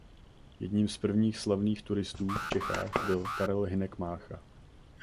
Jedním z prvních slavných turistů v Čechách byl Karel Hynek Mácha.